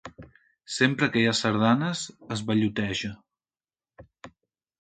Sempre que hi ha sardanes es balloteja.